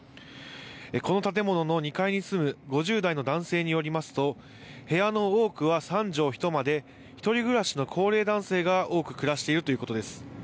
この建物の２階に住む５０代の男性によりますと、部屋の多くは３畳一間で、１人暮らしの高齢男性が多く暮らしているということです。